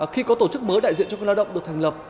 khi có tổ chức mới đại diện cho người lao động được thành lập